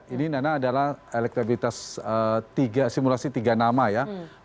ini nana adalah elektabilitas simulasi tiga nama